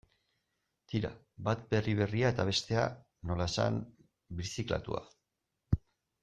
Tira, bat berri berria eta bestea, nola esan, birziklatua.